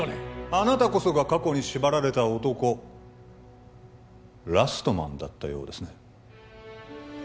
あなたこそが過去に縛られた男ラストマンだったようですね